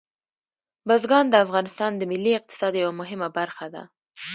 بزګان د افغانستان د ملي اقتصاد یوه مهمه برخه ده.